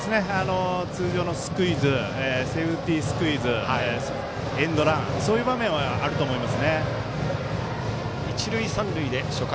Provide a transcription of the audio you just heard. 通常のスクイズセーフティースクイズエンドラン、そういう場面はあると思います。